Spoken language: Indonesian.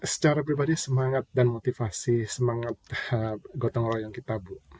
secara pribadi semangat dan motivasi semangat gotong royong kita bu